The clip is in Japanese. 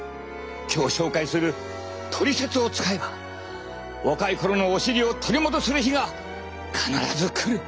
今日紹介するトリセツを使えば若い頃のお尻を取り戻せる日が必ず来る。